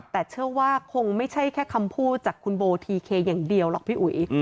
แต่เชื่อว่าคงไม่ใช่แค่คำพูดจากคุณโบทีเคอย่างเดียวหรอกพี่อุ๋ย